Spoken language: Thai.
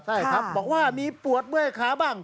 ใช่ครับบอกว่ามีปวดเมื่อยขาบ้าง